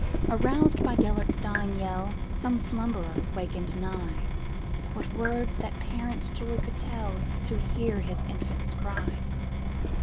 Aroused by Gêlert's dying yell, Some slumberer wakened nigh:What words the parent's joy could tellTo hear his infant's cry!